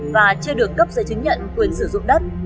và chưa được cấp giấy chứng nhận quyền sử dụng đất